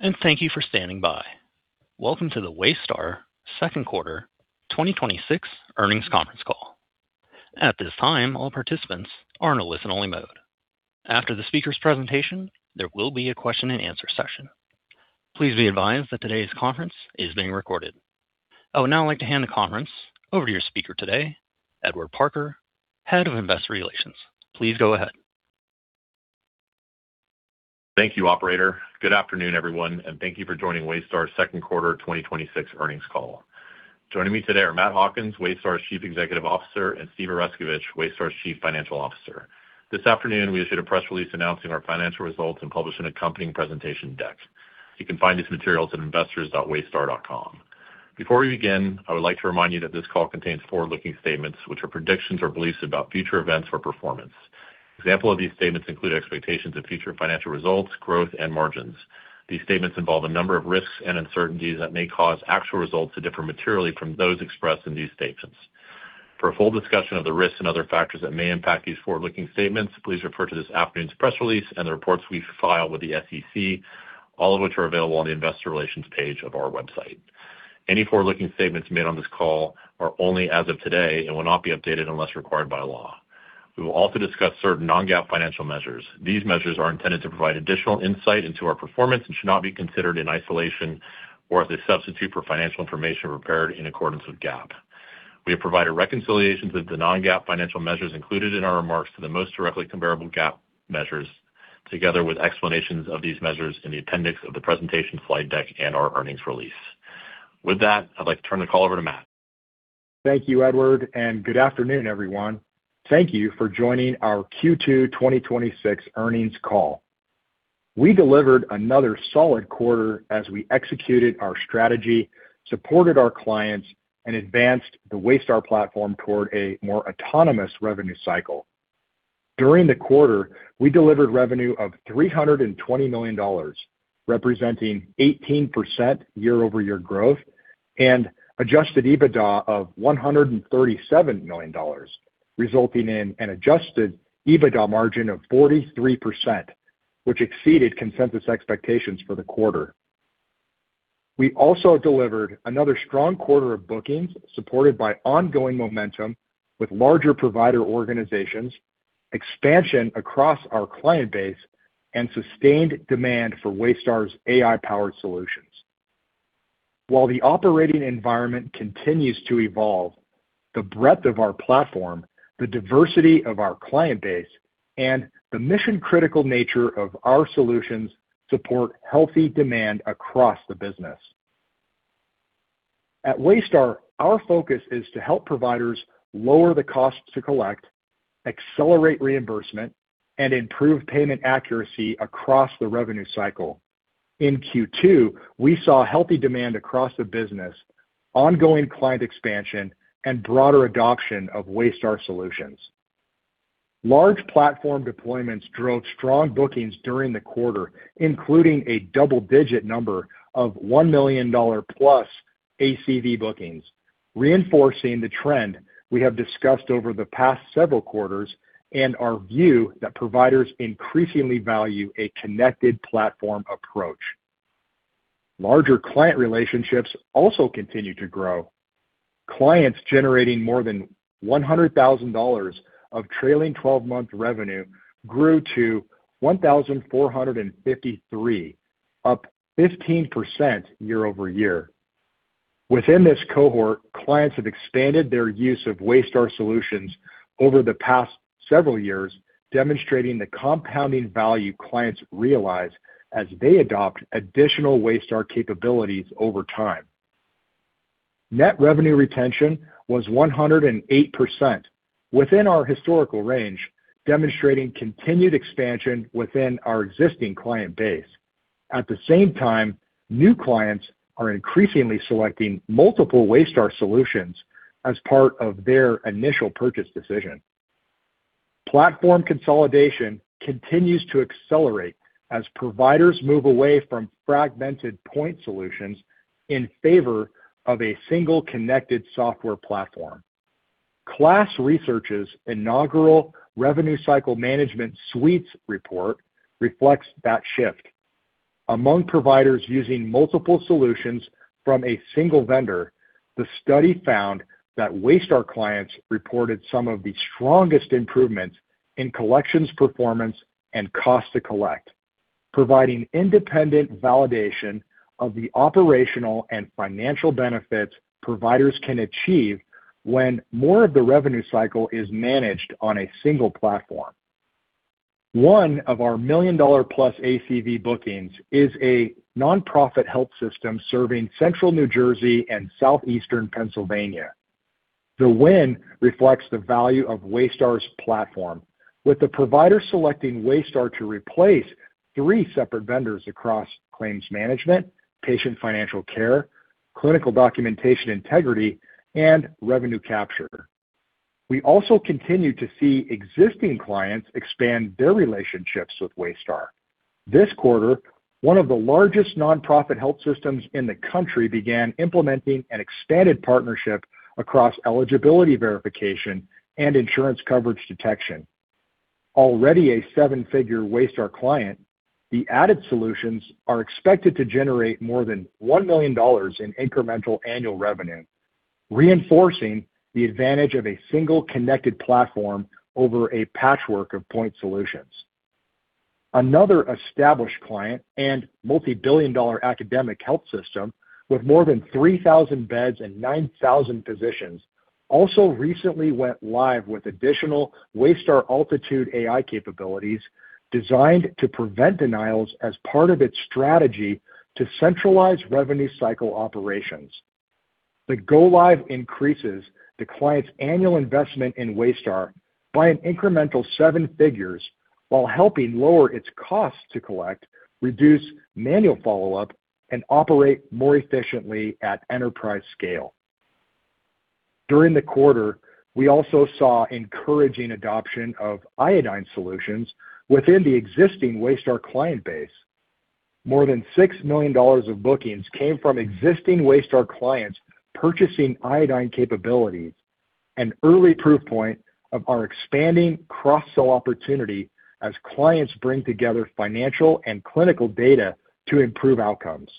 Day, thank you for standing by. Welcome to the Waystar second quarter 2026 earnings conference call. At this time, all participants are in a listen-only mode. After the speaker's presentation, there will be a question-and-answer session. Please be advised that today's conference is being recorded. I would now like to hand the conference over to your speaker today, Edward Parker, Head of Investor Relations. Please go ahead. Thank you, operator. Good afternoon, everyone, thank you for joining Waystar's second quarter 2026 earnings call. Joining me today are Matt Hawkins, Waystar's Chief Executive Officer, and Steve Oreskovich, Waystar's Chief Financial Officer. This afternoon, we issued a press release announcing our financial results and published an accompanying presentation deck. You can find these materials at investors.waystar.com. Before we begin, I would like to remind you that this call contains forward-looking statements, which are predictions or beliefs about future events or performance. Example of these statements include expectations of future financial results, growth, and margins. These statements involve a number of risks and uncertainties that may cause actual results to differ materially from those expressed in these statements. For a full discussion of the risks and other factors that may impact these forward-looking statements, please refer to this afternoon's press release and the reports we file with the SEC, all of which are available on the investor relations page of our website. Any forward-looking statements made on this call are only as of today and will not be updated unless required by law. We will also discuss certain non-GAAP financial measures. These measures are intended to provide additional insight into our performance and should not be considered in isolation or as a substitute for financial information prepared in accordance with GAAP. We have provided reconciliations of the non-GAAP financial measures included in our remarks to the most directly comparable GAAP measures, together with explanations of these measures in the appendix of the presentation slide deck and our earnings release. With that, I'd like to turn the call over to Matt. Thank you, Edward, and good afternoon, everyone. Thank you for joining our Q2 2026 earnings call. We delivered another solid quarter as we executed our strategy, supported our clients, and advanced the Waystar platform toward a more autonomous revenue cycle. During the quarter, we delivered revenue of $320 million, representing 18% year-over-year growth and adjusted EBITDA of $137 million, resulting in an adjusted EBITDA margin of 43%, which exceeded consensus expectations for the quarter. We also delivered another strong quarter of bookings, supported by ongoing momentum with larger provider organizations, expansion across our client base, and sustained demand for Waystar's AI-powered solutions. While the operating environment continues to evolve, the breadth of our platform, the diversity of our client base, and the mission-critical nature of our solutions support healthy demand across the business. At Waystar, our focus is to help providers lower the cost to collect, accelerate reimbursement, and improve payment accuracy across the revenue cycle. In Q2, we saw healthy demand across the business, ongoing client expansion, and broader adoption of Waystar solutions. Large platform deployments drove strong bookings during the quarter, including a double-digit number of $1 million+ ACV bookings, reinforcing the trend we have discussed over the past several quarters and our view that providers increasingly value a connected platform approach. Larger client relationships also continue to grow. Clients generating more than $100,000 of trailing 12-month revenue grew to 1,453, up 15% year-over-year. Within this cohort, clients have expanded their use of Waystar solutions over the past several years, demonstrating the compounding value clients realize as they adopt additional Waystar capabilities over time. Net revenue retention was 108%, within our historical range, demonstrating continued expansion within our existing client base. At the same time, new clients are increasingly selecting multiple Waystar solutions as part of their initial purchase decision. Platform consolidation continues to accelerate as providers move away from fragmented point solutions in favor of a single connected software platform. KLAS Research's inaugural Revenue Cycle Management Suites report reflects that shift. Among providers using multiple solutions from a single vendor, the study found that Waystar clients reported some of the strongest improvements in collections performance and cost to collect, providing independent validation of the operational and financial benefits providers can achieve when more of the revenue cycle is managed on a single platform. One of our $1 million+ ACV bookings is a nonprofit health system serving central New Jersey and southeastern Pennsylvania. The win reflects the value of Waystar's platform, with the provider selecting Waystar to replace three separate vendors across claims management, patient financial care, clinical documentation integrity, and revenue capture. We also continue to see existing clients expand their relationships with Waystar. This quarter, one of the largest nonprofit health systems in the country began implementing an expanded partnership across eligibility verification and insurance coverage detection. Already a seven-figure Waystar client, the added solutions are expected to generate more than $1 million in incremental annual revenue, reinforcing the advantage of a single connected platform over a patchwork of point solutions. Another established client and multibillion-dollar academic health system with more than 3,000 beds and 9,000 physicians also recently went live with additional Waystar AltitudeAI capabilities designed to prevent denials as part of its strategy to centralize revenue cycle operations. The go-live increases the client's annual investment in Waystar by an incremental seven figures while helping lower its cost to collect, reduce manual follow-up, and operate more efficiently at enterprise scale. During the quarter, we also saw encouraging adoption of Iodine solutions within the existing Waystar client base. More than $6 million of bookings came from existing Waystar clients purchasing Iodine capabilities, an early proof point of our expanding cross-sell opportunity as clients bring together financial and clinical data to improve outcomes.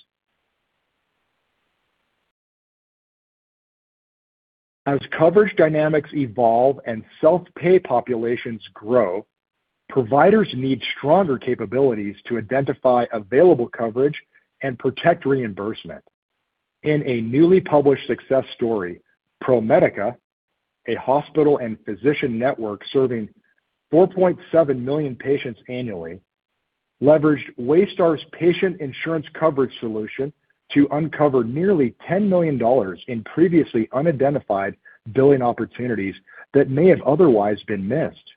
As coverage dynamics evolve and self-pay populations grow, providers need stronger capabilities to identify available coverage and protect reimbursement. In a newly published success story, ProMedica, a hospital and physician network serving 4.7 million patients annually, leveraged Waystar's patient insurance coverage solution to uncover nearly $10 million in previously unidentified billing opportunities that may have otherwise been missed.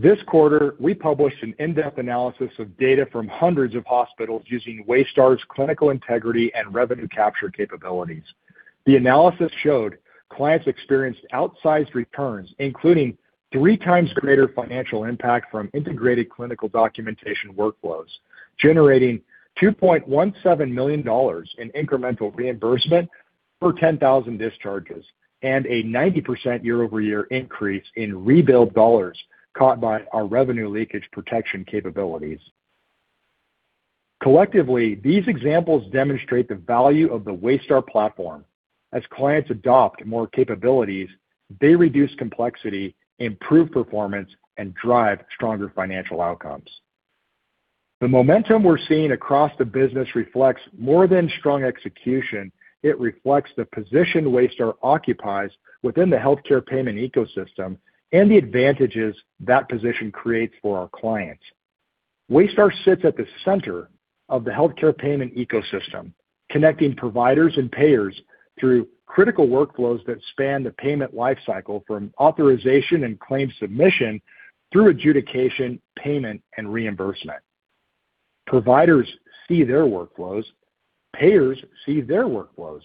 This quarter, we published an in-depth analysis of data from hundreds of hospitals using Waystar's clinical integrity and revenue capture capabilities. The analysis showed clients experienced outsized returns, including 3x greater financial impact from integrated clinical documentation workflows, generating $2.17 million in incremental reimbursement for 10,000 discharges and a 90% year-over-year increase in rebuild dollars caught by our revenue leakage protection capabilities. Collectively, these examples demonstrate the value of the Waystar platform. As clients adopt more capabilities, they reduce complexity, improve performance, and drive stronger financial outcomes. The momentum we're seeing across the business reflects more than strong execution. It reflects the position Waystar occupies within the healthcare payment ecosystem and the advantages that position creates for our clients. Waystar sits at the center of the healthcare payment ecosystem, connecting providers and payers through critical workflows that span the payment life cycle from authorization and claim submission through adjudication, payment, and reimbursement. Providers see their workflows. Payers see their workflows.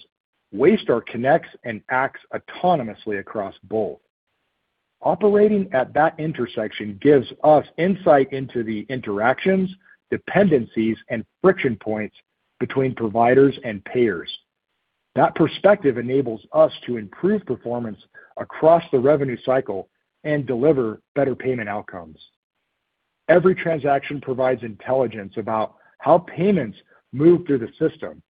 Waystar connects and acts autonomously across both. Operating at that intersection gives us insight into the interactions, dependencies, and friction points between providers and payers. That perspective enables us to improve performance across the revenue cycle and deliver better payment outcomes. Every transaction provides intelligence about how payments move through the system.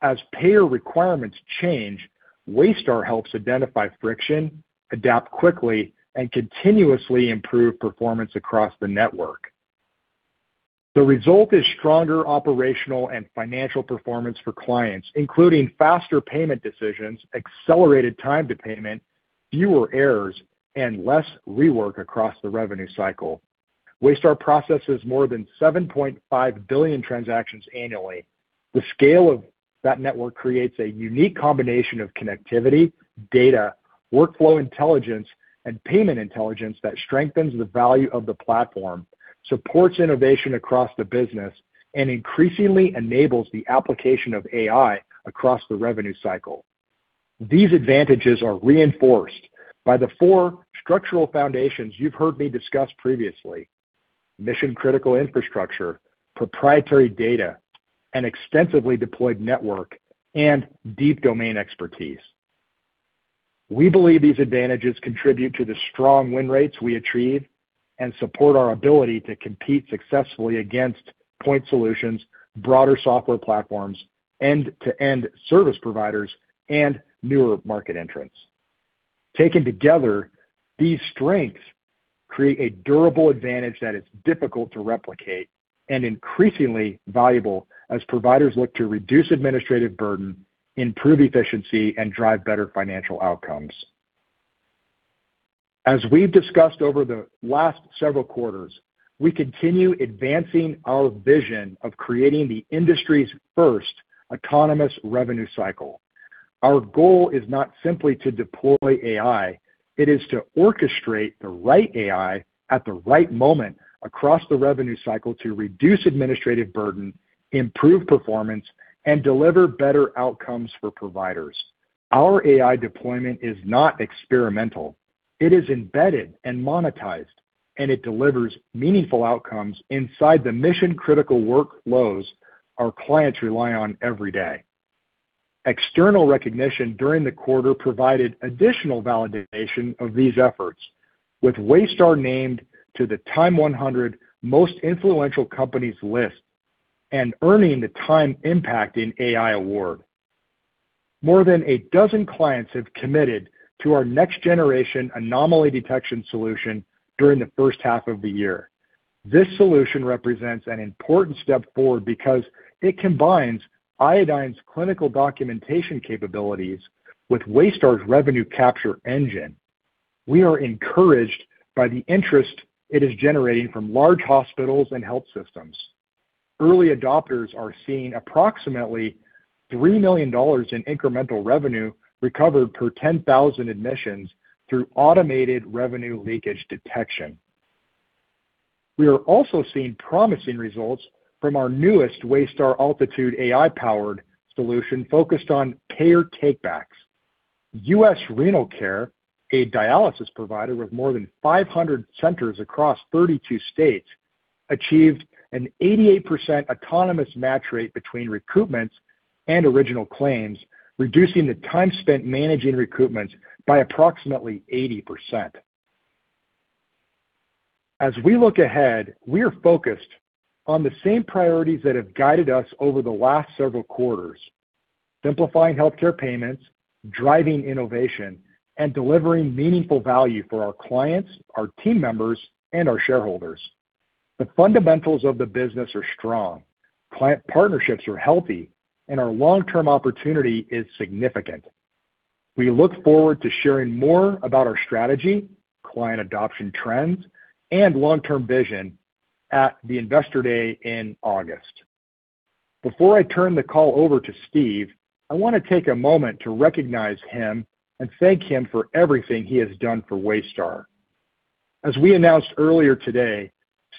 As payer requirements change, Waystar helps identify friction, adapt quickly, and continuously improve performance across the network. The result is stronger operational and financial performance for clients, including faster payment decisions, accelerated time to payment, fewer errors, and less rework across the revenue cycle. Waystar processes more than 7.5 billion transactions annually. The scale of that network creates a unique combination of connectivity, data, workflow intelligence, and payment intelligence that strengthens the value of the platform, supports innovation across the business, and increasingly enables the application of AI across the revenue cycle. These advantages are reinforced by the four structural foundations you've heard me discuss previously: mission-critical infrastructure, proprietary data, an extensively deployed network, and deep domain expertise. We believe these advantages contribute to the strong win rates we achieve and support our ability to compete successfully against point solutions, broader software platforms, end-to-end service providers, and newer market entrants. Taken together, these strengths create a durable advantage that is difficult to replicate and increasingly valuable as providers look to reduce administrative burden, improve efficiency, and drive better financial outcomes. As we've discussed over the last several quarters, we continue advancing our vision of creating the industry's first autonomous revenue cycle. Our goal is not simply to deploy AI. It is to orchestrate the right AI at the right moment across the revenue cycle to reduce administrative burden, improve performance, and deliver better outcomes for providers. Our AI deployment is not experimental. It is embedded and monetized, and it delivers meaningful outcomes inside the mission-critical workflows our clients rely on every day. External recognition during the quarter provided additional validation of these efforts, with Waystar named to the TIME100 Most Influential Companies list and earning the TIME Impact in AI Award. More than a dozen clients have committed to our next generation anomaly detection solution during the first half of the year. This solution represents an important step forward because it combines Iodine's clinical documentation capabilities with Waystar's revenue capture engine. We are encouraged by the interest it is generating from large hospitals and health systems. Early adopters are seeing approximately $3 million in incremental revenue recovered per 10,000 admissions through automated revenue leakage detection. We are also seeing promising results from our newest Waystar AltitudeAI-powered solution focused on payer takebacks. U.S. Renal Care, a dialysis provider with more than 500 centers across 32 states, achieved an 88% autonomous match rate between recoupments and original claims, reducing the time spent managing recoupments by approximately 80%. As we look ahead, we are focused on the same priorities that have guided us over the last several quarters: simplifying healthcare payments, driving innovation, and delivering meaningful value for our clients, our team members, and our shareholders. The fundamentals of the business are strong. Client partnerships are healthy, and our long-term opportunity is significant. We look forward to sharing more about our strategy, client adoption trends, and long-term vision at the Investor Day in August. Before I turn the call over to Steve, I want to take a moment to recognize him and thank him for everything he has done for Waystar. As we announced earlier today,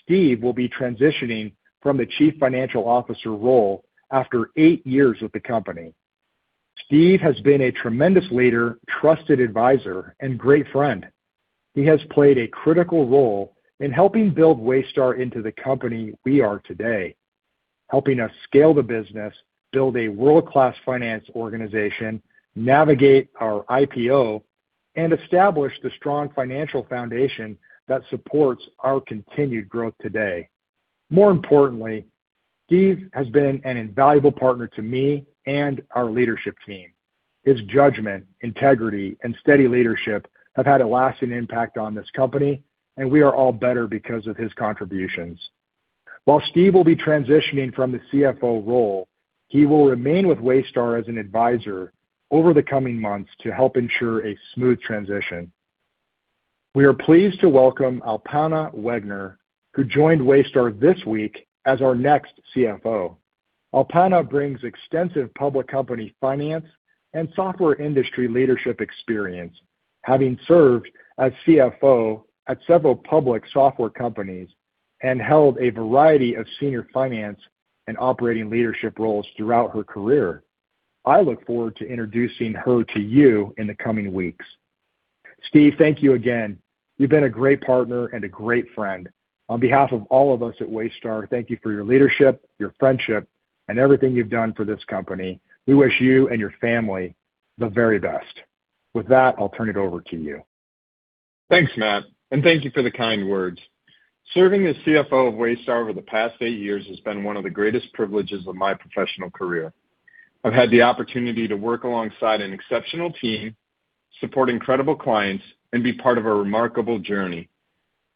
Steve will be transitioning from the Chief Financial Officer role after eight years with the company. Steve has been a tremendous leader, trusted advisor, and great friend. He has played a critical role in helping build Waystar into the company we are today. Helping us scale the business, build a world-class finance organization, navigate our IPO, and establish the strong financial foundation that supports our continued growth today. More importantly, Steve has been an invaluable partner to me and our leadership team. His judgment, integrity, and steady leadership have had a lasting impact on this company, and we are all better because of his contributions. While Steve will be transitioning from the CFO role, he will remain with Waystar as an advisor over the coming months to help ensure a smooth transition. We are pleased to welcome Alpana Wegner, who joined Waystar this week as our next CFO. Alpana brings extensive public company finance and software industry leadership experience, having served as CFO at several public software companies and held a variety of senior finance and operating leadership roles throughout her career. I look forward to introducing her to you in the coming weeks. Steve, thank you again. You've been a great partner and a great friend. On behalf of all of us at Waystar, thank you for your leadership, your friendship, and everything you've done for this company. We wish you and your family the very best. With that, I'll turn it over to you. Thanks, Matt, and thank you for the kind words. Serving as CFO of Waystar over the past eight years has been one of the greatest privileges of my professional career. I've had the opportunity to work alongside an exceptional team, support incredible clients, and be part of a remarkable journey.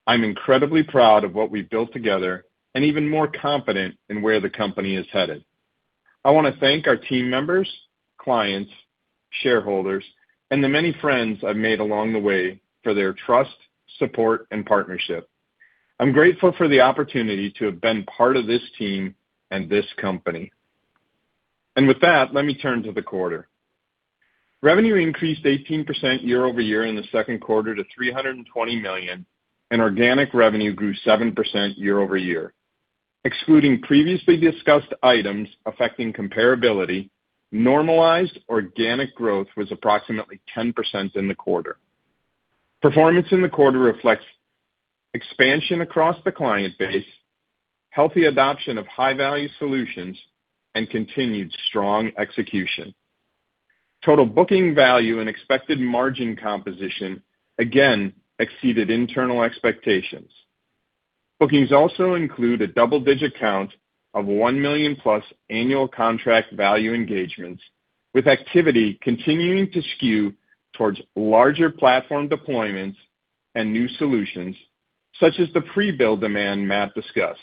I'm incredibly proud of what we've built together and even more confident in where the company is headed. I want to thank our team members, clients, shareholders, and the many friends I've made along the way for their trust, support, and partnership. I'm grateful for the opportunity to have been part of this team and this company. With that, let me turn to the quarter. Revenue increased 18% year-over-year in the second quarter to $320 million, organic revenue grew 7% year-over-year. Excluding previously discussed items affecting comparability, normalized organic growth was approximately 10% in the quarter. Performance in the quarter reflects expansion across the client base, healthy adoption of high-value solutions, and continued strong execution. Total booking value and expected margin composition again exceeded internal expectations. Bookings also include a double-digit count of 1 million+ annual contract value engagements, with activity continuing to skew towards larger platform deployments and new solutions, such as the pre-bill demand Matt discussed.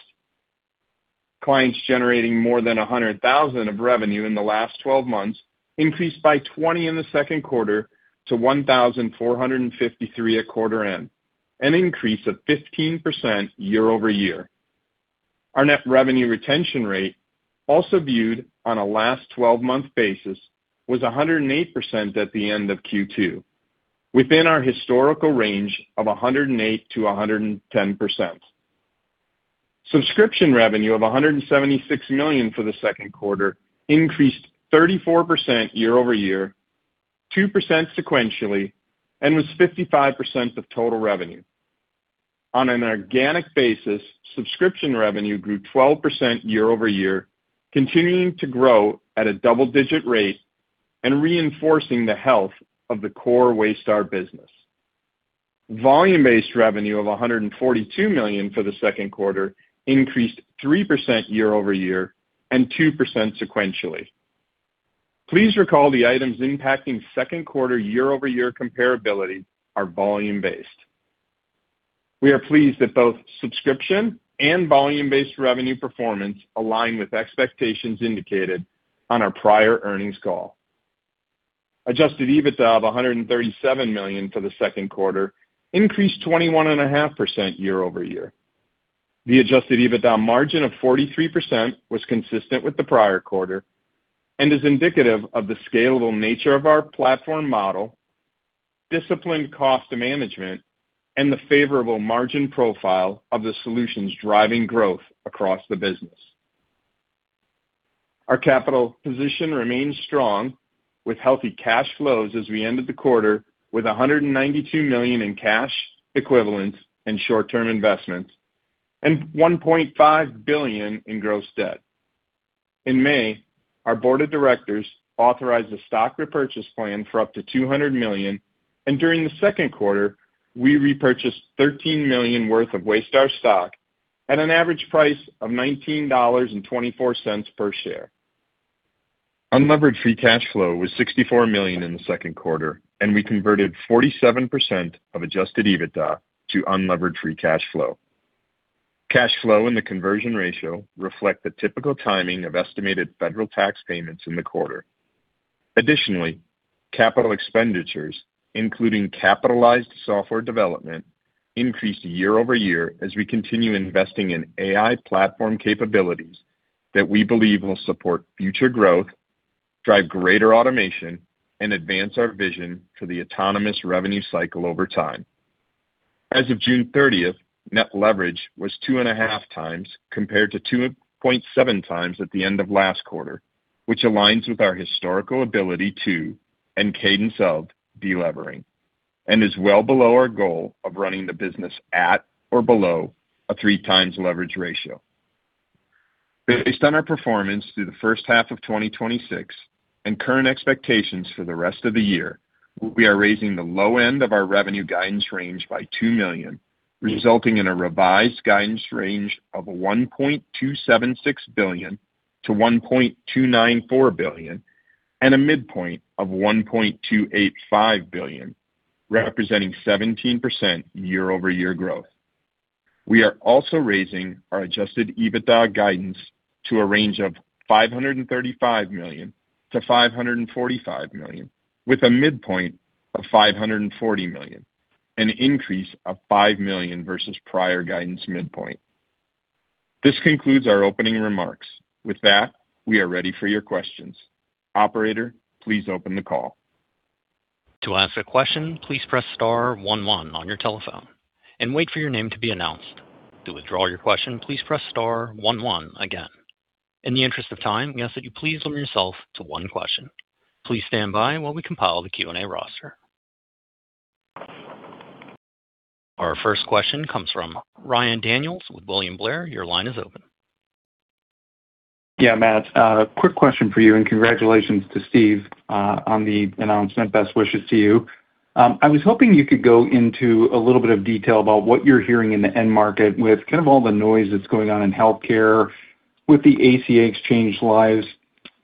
Clients generating more than $100,000 of revenue in the last 12 months increased by 20 in the second quarter to 1,453 at quarter end, an increase of 15% year-over-year. Our net revenue retention rate, also viewed on a last 12-month basis, was 108% at the end of Q2, within our historical range of 108%-110%. Subscription revenue of $176 million for the second quarter increased 34% year-over-year, 2% sequentially, was 55% of total revenue. On an organic basis, subscription revenue grew 12% year-over-year, continuing to grow at a double-digit rate reinforcing the health of the core Waystar business. Volume-based revenue of $142 million for the second quarter increased 3% year-over-year 2% sequentially. Please recall the items impacting second quarter year-over-year comparability are volume-based. We are pleased that both subscription and volume-based revenue performance align with expectations indicated on our prior earnings call. Adjusted EBITDA of $137 million for the second quarter increased 21.5% year-over-year. The adjusted EBITDA margin of 43% was consistent with the prior quarter is indicative of the scalable nature of our platform model, disciplined cost management, the favorable margin profile of the solutions driving growth across the business. Our capital position remains strong with healthy cash flows as we ended the quarter with $192 million in cash equivalents and short-term investments, $1.5 billion in gross debt. In May, our board of directors authorized a stock repurchase plan for up to $200 million, during the second quarter, we repurchased $13 million worth of Waystar stock at an average price of $19.24 per share. Unlevered free cash flow was $64 million in the second quarter, we converted 47% of adjusted EBITDA to unlevered free cash flow. Cash flow and the conversion ratio reflect the typical timing of estimated federal tax payments in the quarter. Additionally, capital expenditures, including capitalized software development, increased year-over-year as we continue investing in AI platform capabilities that we believe will support future growth, drive greater automation, and advance our vision for the autonomous revenue cycle over time. As of June 30th, net leverage was 2.5x compared to 2.7x at the end of last quarter, which aligns with our historical ability to, and cadence of, delevering and is well below our goal of running the business at or below a 3x leverage ratio. Based on our performance through the first half of 2026 and current expectations for the rest of the year, we are raising the low end of our revenue guidance range by $2 million, resulting in a revised guidance range of $1.276 billion-$1.294 billion and a midpoint of $1.285 billion, representing 17% year-over-year growth. We are also raising our adjusted EBITDA guidance to a range of $535 million-$545 million, with a midpoint of $540 million, an increase of $5 million versus prior guidance midpoint. This concludes our opening remarks. With that, we are ready for your questions. Operator, please open the call. To ask a question, please press star one one on your telephone and wait for your name to be announced. To withdraw your question, please press star one one again. In the interest of time, we ask that you please limit yourself to one question. Please stand by while we compile the Q&A roster. Our first question comes from Ryan Daniels with William Blair. Your line is open. Yeah, Matt, quick question for you and congratulations to Steve on the announcement. Best wishes to you. I was hoping you could go into a little bit of detail about what you're hearing in the end market with kind of all the noise that's going on in healthcare with the ACA exchange lives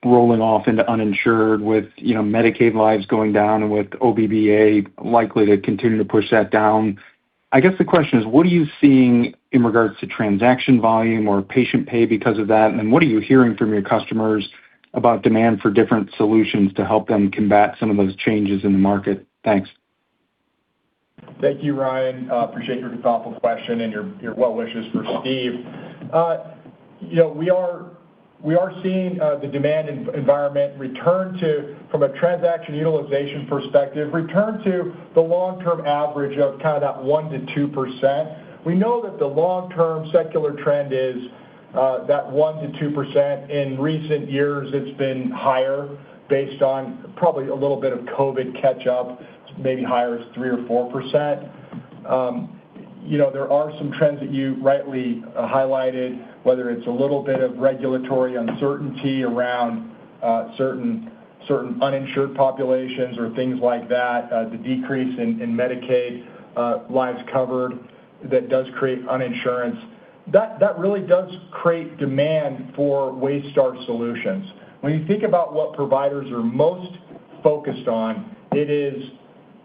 rolling off into uninsured with Medicaid lives going down and with OBRA likely to continue to push that down. I guess the question is: what are you seeing in regards to transaction volume or patient pay because of that? And then what are you hearing from your customers about demand for different solutions to help them combat some of those changes in the market? Thanks. Thank you, Ryan. Appreciate your thoughtful question and your well wishes for Steve. We are seeing the demand environment return to, from a transaction utilization perspective, return to the long-term average of kind of that 1%-2%. We know that the long-term secular trend is that 1%-2%. In recent years, it's been higher based on probably a little bit of COVID catch up, maybe higher as 3% or 4%. There are some trends that you rightly highlighted, whether it's a little bit of regulatory uncertainty around certain uninsured populations or things like that, the decrease in Medicaid lives covered that does create uninsurance. That really does create demand for Waystar solutions. When you think about what providers are most focused on, it is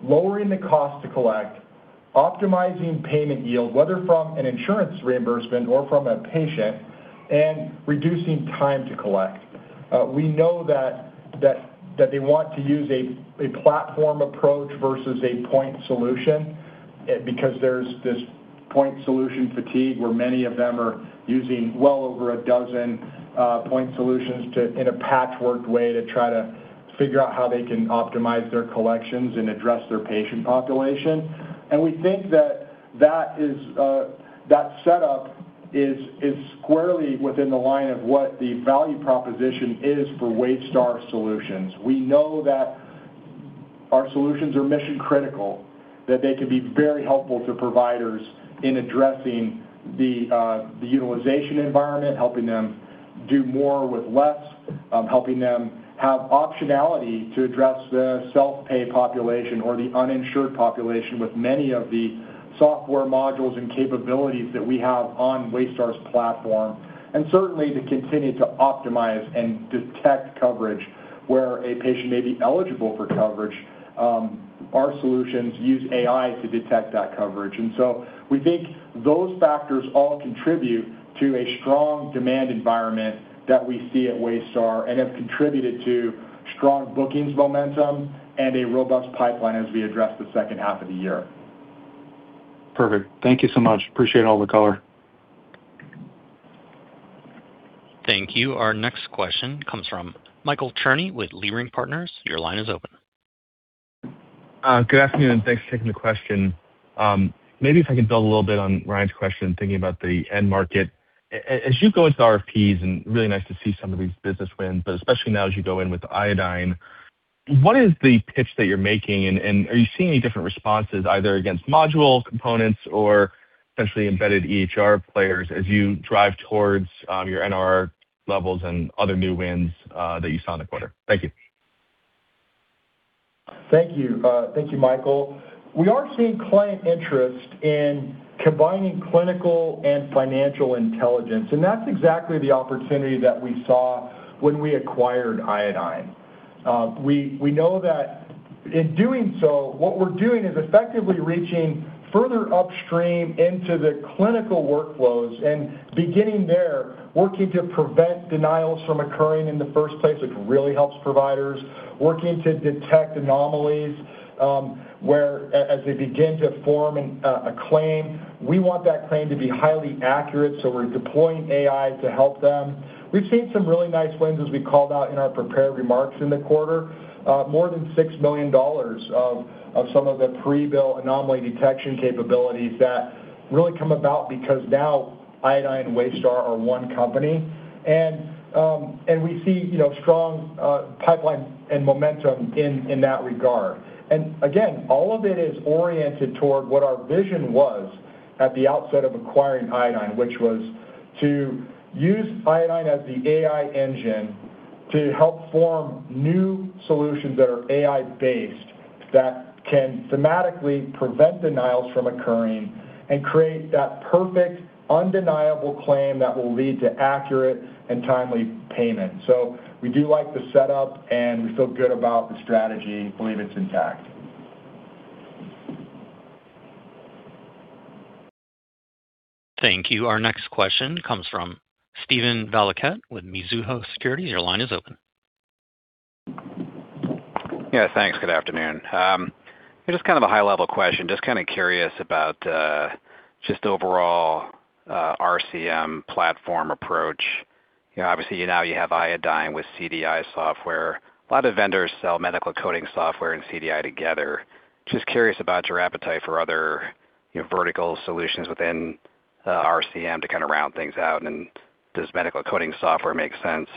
lowering the cost to collect, optimizing payment yield, whether from an insurance reimbursement or from a patient, and reducing time to collect. We know that they want to use a platform approach versus a point solution because there's this point solution fatigue where many of them are using well over a dozen point solutions in a patchwork way to try to figure out how they can optimize their collections and address their patient population. We think that setup is squarely within the line of what the value proposition is for Waystar solutions. We know that. Our solutions are mission critical, that they can be very helpful to providers in addressing the utilization environment, helping them do more with less, helping them have optionality to address the self-pay population or the uninsured population with many of the software modules and capabilities that we have on Waystar's platform. Certainly to continue to optimize and detect coverage where a patient may be eligible for coverage. Our solutions use AI to detect that coverage. We think those factors all contribute to a strong demand environment that we see at Waystar and have contributed to strong bookings momentum and a robust pipeline as we address the second half of the year. Perfect. Thank you so much. Appreciate all the color. Thank you. Our next question comes from Michael Cherny with Leerink Partners. Your line is open. Good afternoon. Thanks for taking the question. Maybe if I can build a little bit on Ryan's question, thinking about the end market. As you go into RFPs, and really nice to see some of these business wins, but especially now as you go in with Iodine, what is the pitch that you're making, and are you seeing any different responses, either against module components or potentially embedded EHR players as you drive towards your NR levels and other new wins that you saw in the quarter? Thank you. Thank you, Michael. We are seeing client interest in combining clinical and financial intelligence, and that's exactly the opportunity that we saw when we acquired Iodine. We know that in doing so, what we're doing is effectively reaching further upstream into the clinical workflows and beginning there, working to prevent denials from occurring in the first place, which really helps providers. Working to detect anomalies, where as they begin to form a claim, we want that claim to be highly accurate, so we're deploying AI to help them. We've seen some really nice wins, as we called out in our prepared remarks in the quarter. More than $6 million of some of the pre-bill anomaly detection capabilities that really come about because now Iodine and Waystar are one company. We see strong pipeline and momentum in that regard. Again, all of it is oriented toward what our vision was at the outset of acquiring Iodine, which was to use Iodine as the AI engine to help form new solutions that are AI-based that can thematically prevent denials from occurring and create that perfect, undeniable claim that will lead to accurate and timely payment. We do like the setup, and we feel good about the strategy. Believe it's intact. Thank you. Our next question comes from Steven Valiquette with Mizuho Securities. Your line is open. Yeah, thanks. Good afternoon. Just a high-level question. Just curious about just overall RCM platform approach. Obviously, now you have Iodine with CDI software. A lot of vendors sell medical coding software and CDI together. Does medical coding software make sense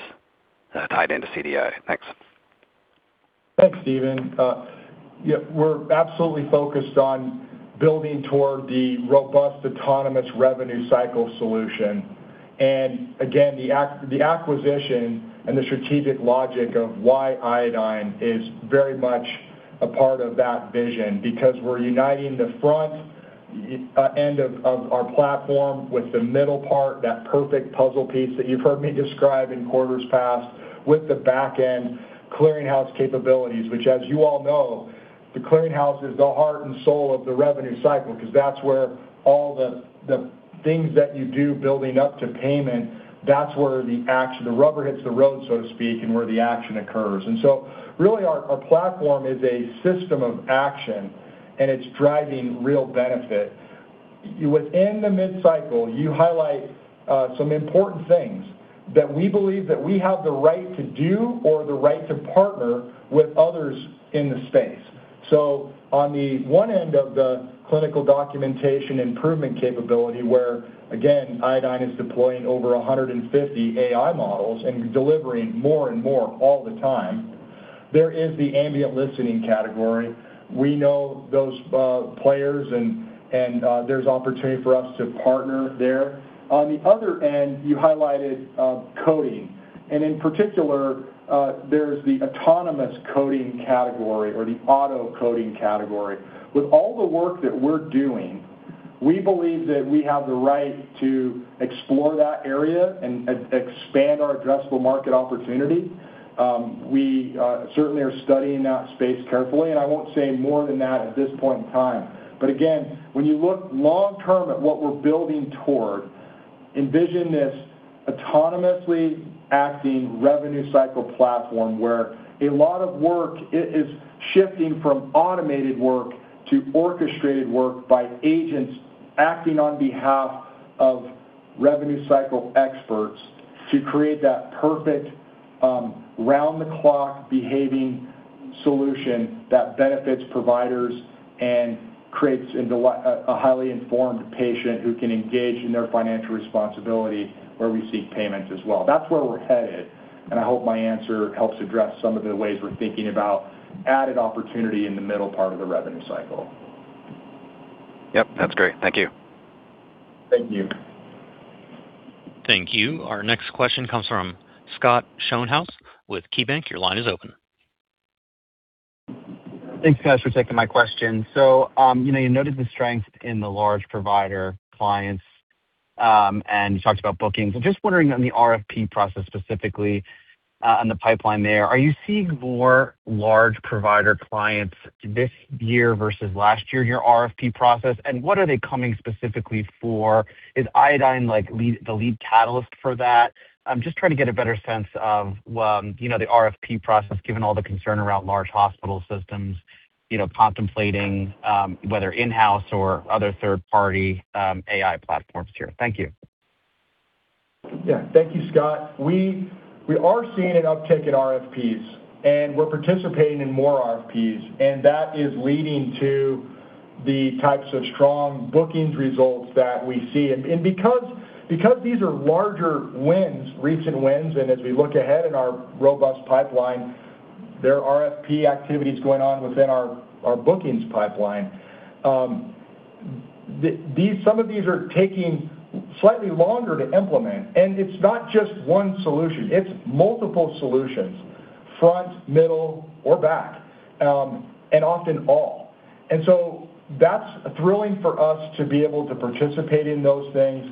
tied into CDI? Thanks. Thanks, Steven. Yeah, we're absolutely focused on building toward the robust autonomous revenue cycle solution. Again, the acquisition and the strategic logic of why Iodine is very much a part of that vision, because we're uniting the front end of our platform with the middle part, that perfect puzzle piece that you've heard me describe in quarters past, with the back end clearinghouse capabilities. Which as you all know, the clearinghouse is the heart and soul of the revenue cycle because that's where all the things that you do building up to payment, that's where the action. The rubber hits the road, so to speak, and where the action occurs. Really our platform is a system of action, and it's driving real benefit. Within the mid-cycle, you highlight some important things that we believe that we have the right to do or the right to partner with others in the space. On the one end of the clinical documentation improvement capability, where again, Iodine is deploying over 150 AI models and delivering more and more all the time. There is the ambient listening category. We know those players and there's opportunity for us to partner there. On the other end, you highlighted coding. In particular, there's the autonomous coding category or the auto coding category. With all the work that we're doing, we believe that we have the right to explore that area and expand our addressable market opportunity. We certainly are studying that space carefully, and I won't say more than that at this point in time. When you look long term at what we're building toward, envision this autonomously acting revenue cycle platform where a lot of work is shifting from automated work to orchestrated work by agents acting on behalf of revenue cycle experts to create that perfect round-the-clock behaving solution that benefits providers and creates a highly informed patient who can engage in their financial responsibility where we seek payments as well. That's where we're headed. I hope my answer helps address some of the ways we're thinking about added opportunity in the middle part of the revenue cycle. Yep, that's great. Thank you. Thank you. Thank you. Our next question comes from Scott Schoenhaus with KeyBanc. Your line is open. Thanks, guys, for taking my question. You noted the strength in the large provider clients, and you talked about bookings. I'm just wondering on the RFP process, specifically on the pipeline there, are you seeing more large provider clients this year versus last year in your RFP process, and what are they coming specifically for? Is Iodine the lead catalyst for that? I'm just trying to get a better sense of the RFP process, given all the concern around large hospital systems contemplating whether in-house or other third-party AI platforms here. Thank you. Thank you, Scott. We are seeing an uptick in RFPs, and we're participating in more RFPs, and that is leading to the types of strong bookings results that we see. Because these are larger recent wins, and as we look ahead at our robust pipeline, there are RFP activities going on within our bookings pipeline. Some of these are taking slightly longer to implement, and it's not just one solution, it's multiple solutions, front, middle, or back, and often all. That's thrilling for us to be able to participate in those things.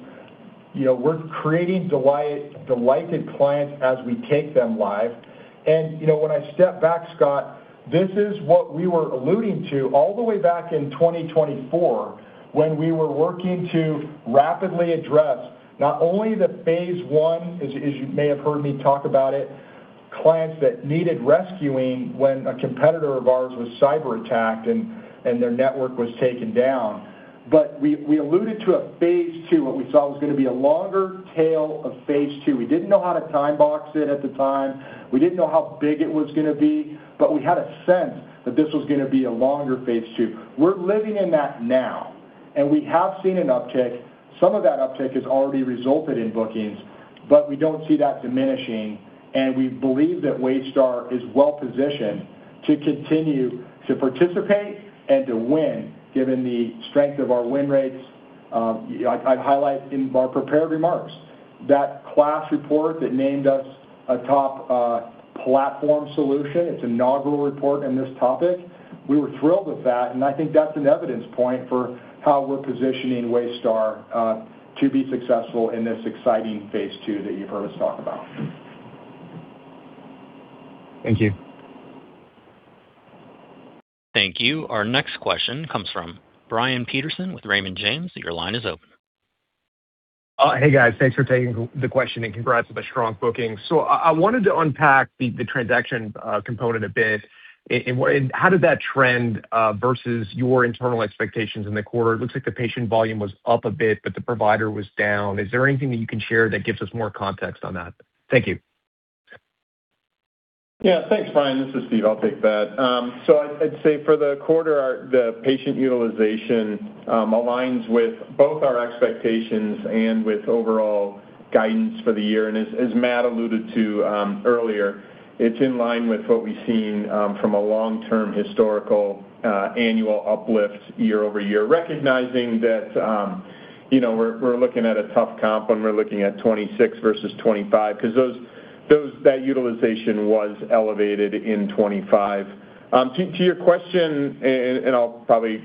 We're creating delighted clients as we take them live. When I step back, Scott, this is what we were alluding to all the way back in 2024 when we were working to rapidly address not only the phase one, as you may have heard me talk about it, clients that needed rescuing when a competitor of ours was cyber attacked and their network was taken down. We alluded to a phase II, what we saw was going to be a longer tail of phase two. We didn't know how to time box it at the time. We didn't know how big it was going to be, but we had a sense that this was going to be a longer phase two. We're living in that now, and we have seen an uptick. Some of that uptick has already resulted in bookings, but we don't see that diminishing, and we believe that Waystar is well-positioned to continue to participate and to win, given the strength of our win rates. I highlight in our prepared remarks that KLAS report that named us a top platform solution. It's an inaugural report in this topic. We were thrilled with that, and I think that's an evidence point for how we're positioning Waystar to be successful in this exciting phase II that you've heard us talk about. Thank you. Thank you. Our next question comes from Brian Peterson with Raymond James. Your line is open. Hey, guys. Thanks for taking the question and congrats on the strong bookings. I wanted to unpack the transaction component a bit. How did that trend versus your internal expectations in the quarter? It looks like the patient volume was up a bit, but the provider was down. Is there anything that you can share that gives us more context on that? Thank you. Yeah. Thanks, Brian. This is Steve. I'll take that. I'd say for the quarter, the patient utilization aligns with both our expectations and with overall guidance for the year. As Matt alluded to earlier, it's in line with what we've seen from a long-term historical annual uplift year-over-year, recognizing that we're looking at a tough comp when we're looking at 2026 versus 2025, because that utilization was elevated in 2025. To your question, I'll probably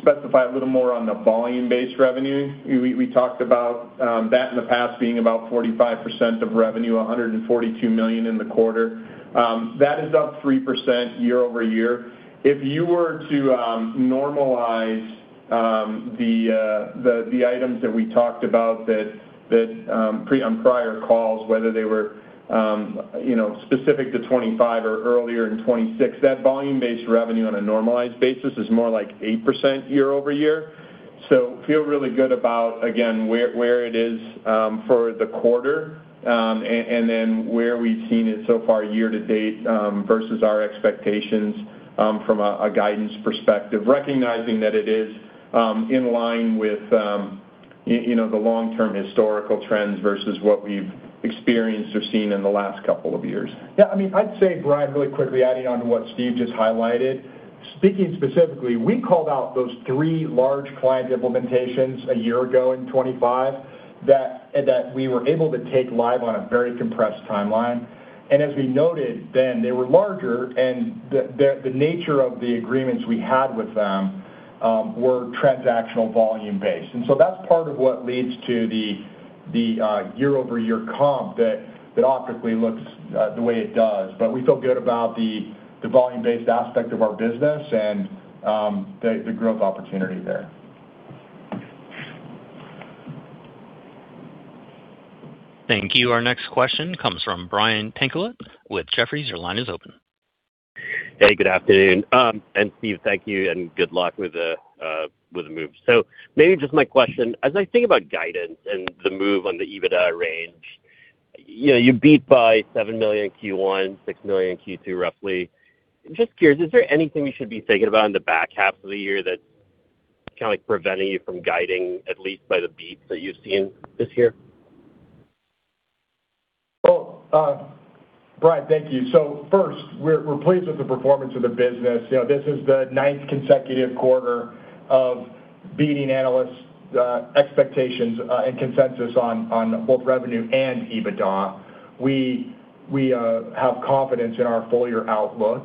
specify a little more on the volume-based revenue. We talked about that in the past being about 45% of revenue, $142 million in the quarter. That is up 3% year-over-year. If you were to normalize the items that we talked about on prior calls, whether they were specific to 2025 or earlier in 2026, that volume-based revenue on a normalized basis is more like 8% year-over-year. Feel really good about, again, where it is for the quarter, and then where we've seen it so far year-to-date versus our expectations from a guidance perspective, recognizing that it is in line with the long-term historical trends versus what we've experienced or seen in the last couple of years. I'd say, Brian, really quickly adding on to what Steve just highlighted. Speaking specifically, we called out those three large client implementations a year ago in 2025 that we were able to take live on a very compressed timeline. As we noted then, they were larger and the nature of the agreements we had with them were transactional volume-based. That's part of what leads to the year-over-year comp that optically looks the way it does. We feel good about the volume-based aspect of our business and the growth opportunity there. Thank you. Our next question comes from Brian Pincus with Jefferies. Your line is open. Good afternoon. Steve, thank you and good luck with the move. Maybe just my question, as I think about guidance and the move on the EBITDA range, you beat by $7 million Q1, $6 million Q2 roughly. Just curious, is there anything we should be thinking about in the back half of the year that's kind of preventing you from guiding, at least by the beats that you've seen this year? Brian, thank you. First, we're pleased with the performance of the business. This is the ninth consecutive quarter of beating analysts' expectations, and consensus on both revenue and EBITDA. We have confidence in our full-year outlook.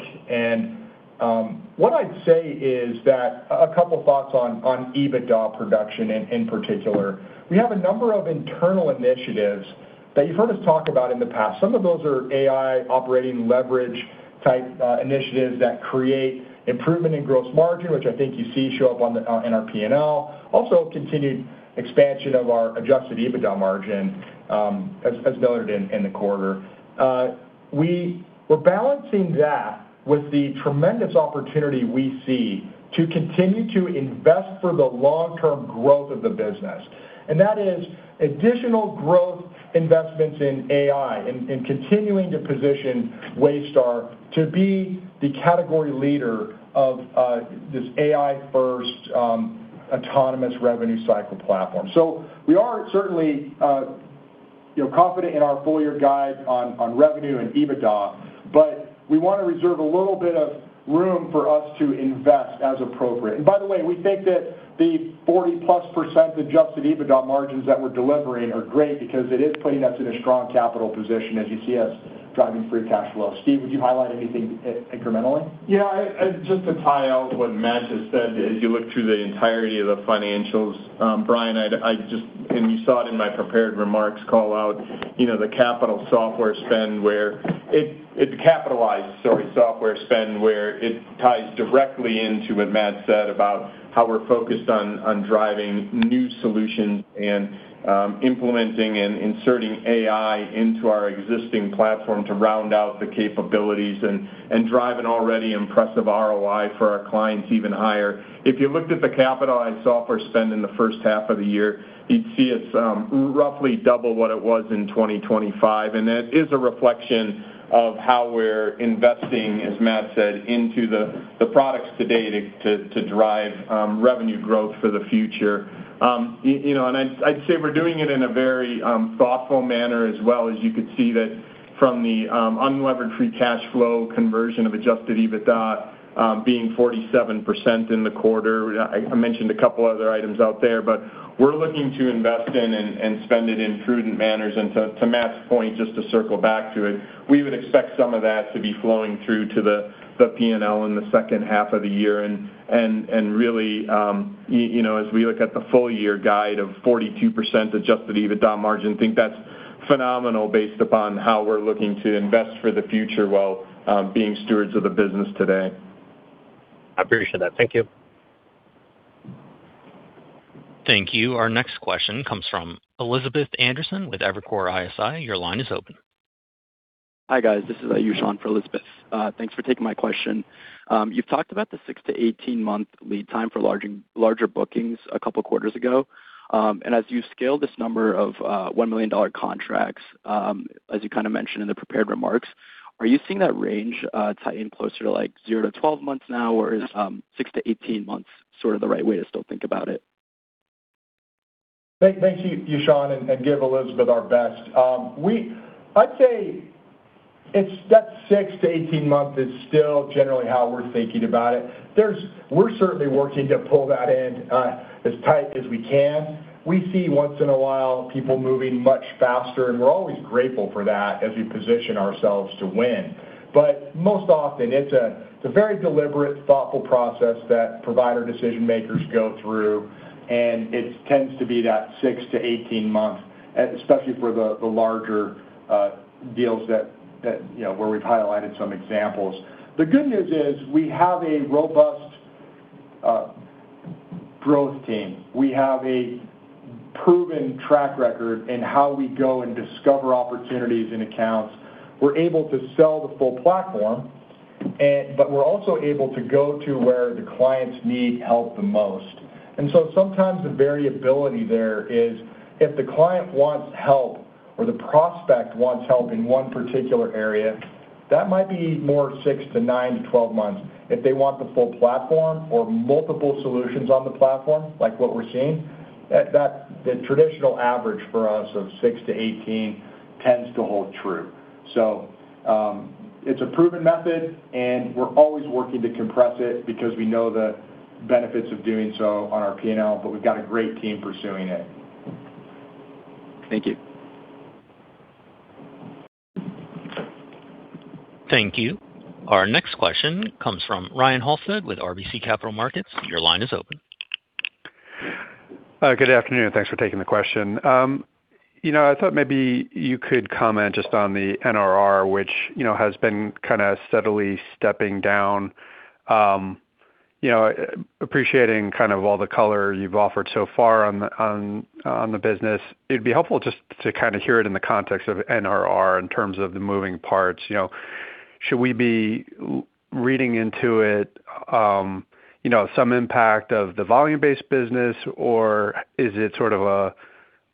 What I'd say is that a couple thoughts on EBITDA production in particular. We have a number of internal initiatives that you've heard us talk about in the past. Some of those are AI operating leverage type initiatives that create improvement in gross margin, which I think you see show up in our P&L. Also, continued expansion of our adjusted EBITDA margin, as noted in the quarter. We're balancing that with the tremendous opportunity we see to continue to invest for the long-term growth of the business. That is additional growth investments in AI, in continuing to position Waystar to be the category leader of this AI-first autonomous revenue cycle platform. We are certainly confident in our full-year guide on revenue and EBITDA, but we want to reserve a little bit of room for us to invest as appropriate. By the way, we think that the 40%+ adjusted EBITDA margins that we're delivering are great because it is putting us in a strong capital position as you see us driving free cash flow. Steve, would you highlight anything incrementally? Yeah. Just to tie out what Matt has said, as you look through the entirety of the financials, Brian, you saw it in my prepared remarks call out, the capitalized software spend, where it ties directly into what Matt said about how we're focused on driving new solutions and implementing and inserting AI into our existing platform to round out the capabilities, and drive an already impressive ROI for our clients even higher. If you looked at the capitalized software spend in the first half of the year, you'd see it's roughly double what it was in 2025. That is a reflection of how we're investing, as Matt said, into the products today to drive revenue growth for the future. I'd say we're doing it in a very thoughtful manner as well. As you could see that from the unlevered free cash flow conversion of adjusted EBITDA, being 47% in the quarter. I mentioned a couple other items out there, we're looking to invest in and spend it in prudent manners. To Matt's point, just to circle back to it, we would expect some of that to be flowing through to the P&L in the second half of the year. Really, as we look at the full year guide of 42% adjusted EBITDA margin, think that's phenomenal based upon how we're looking to invest for the future while being stewards of the business today. I appreciate that. Thank you. Thank you. Our next question comes from Elizabeth Anderson with Evercore ISI. Your line is open. Hi, guys. This is Yashan for Elizabeth. Thanks for taking my question. You've talked about the 6-18-month lead time for larger bookings a couple of quarters ago. As you scale this number of $1 million contracts, as you mentioned in the prepared remarks, are you seeing that range tighten closer to 0-12 months now, or is 6-18 months sort of the right way to still think about it? Thank you, Yashan, and give Elizabeth our best. I'd say that 6-18 months is still generally how we're thinking about it. We're certainly working to pull that in, as tight as we can. We see once in a while people moving much faster, and we're always grateful for that as we position ourselves to win. Most often it's a very deliberate, thoughtful process that provider decision makers go through, and it tends to be that 6-18 months, especially for the larger deals where we've highlighted some examples. The good news is we have a robust growth team. We have a proven track record in how we go and discover opportunities and accounts. We're able to sell the full platform, but we're also able to go to where the clients need help the most. Sometimes the variability there is if the client wants help or the prospect wants help in one particular area, that might be more 6-9-12 months. If they want the full platform or multiple solutions on the platform, like what we're seeing, the traditional average for us of 6-18 tends to hold true. It's a proven method, and we're always working to compress it because we know the benefits of doing so on our P&L, but we've got a great team pursuing it. Thank you. Thank you. Our next question comes from Ryan Halsted with RBC Capital Markets. Your line is open. Good afternoon. Thanks for taking the question. I thought maybe you could comment just on the NRR, which has been steadily stepping down. Appreciating all the color you've offered so far on the business. It'd be helpful just to hear it in the context of NRR in terms of the moving parts. Should we be reading into it some impact of the volume-based business, or is it sort of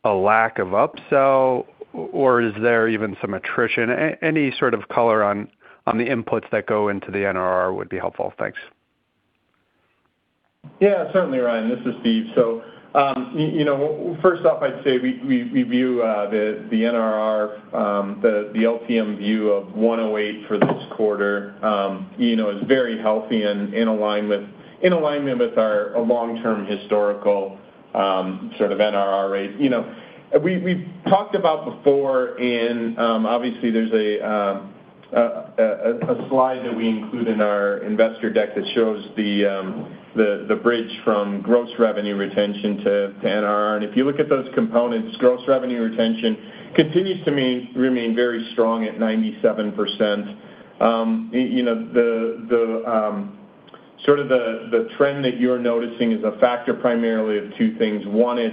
a lack of upsell, or is there even some attrition? Any sort of color on the inputs that go into the NRR would be helpful. Thanks. Certainly, Ryan. This is Steve. First off, I'd say we view the NRR, the LTM view of 108 for this quarter is very healthy and in alignment with our long-term historical sort of NRR rate. We've talked about before. Obviously, there's a slide that we include in our investor deck that shows the bridge from gross revenue retention to NRR. If you look at those components, gross revenue retention continues to remain very strong at 97%. The trend that you're noticing is a factor primarily of two things. One is